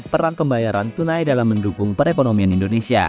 peran pembayaran tunai dalam mendukung perekonomian indonesia